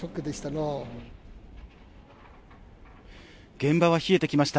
現場は冷えてきました。